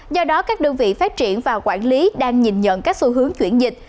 do đó các đơn vị phát triển và quản lý đang nhìn nhận các xu hướng chuyển dịch